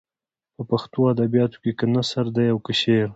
په پښتو ادبیاتو کې که نثر دی او که شعر.